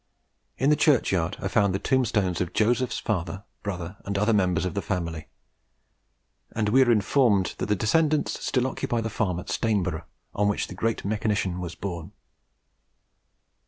In the churchyard are found the tombstones of Joseph's father, brother, and other members of the family; and we are informed that their descendants still occupy the farm at Stainborough on which the great mechanician was born.